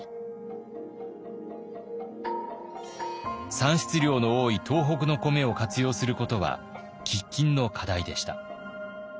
産出量の多い東北の米を活用することは喫緊の課題でした。